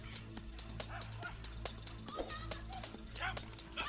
gue di forte nggasan ngeri gimana